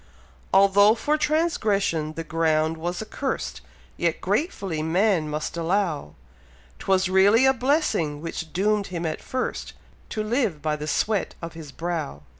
Although for transgression the ground was accursed, Yet gratefully man must allow, 'Twas really a blessing which doom'd him at first, To live by the sweat of his brow.